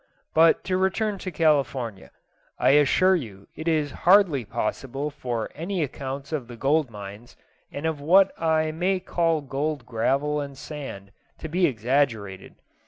But to return to California. I assure you it is hardly possible for any accounts of the gold mines, and of what I may call gold gravel and sand, to be exaggerated.